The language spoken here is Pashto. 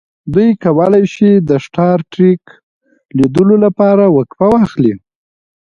دوی کولی شي د سټار ټریک لیدلو لپاره وقفه واخلي